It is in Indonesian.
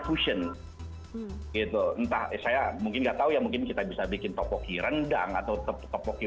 fusion gitu entah saya mungkin nggak tahu ya mungkin kita bisa bikin topoki rendang atau topoki